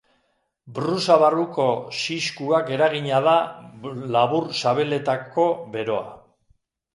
Brusa barruko xixkuak eragina da bular-sabeletako beroa.